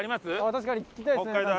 確かに聞きたいですね。